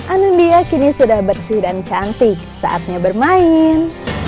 anun dia kini sudah bersih dan cantik saatnya bermain